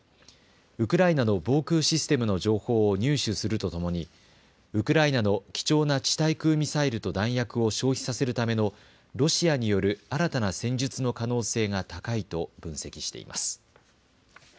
ウクライナの防空システムの情報を入手するとともにウクライナの貴重な地対空ミサイルと弾薬を消費させるためのロシアによる新たな戦術の可能性が高いと分析しています。